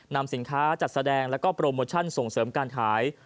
นำสินค้าจัดแสดงแล้วก็โปรโมชั่นส่งเสริมการขาย